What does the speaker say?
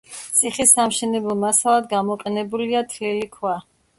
ციხის სამშენებლო მასალად გამოყენებულია თლილი ქვა.